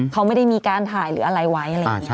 เขาไม่ได้มีการถ่ายหรืออะไรไว้อะไรอย่างนี้